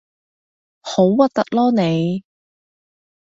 好核突囉你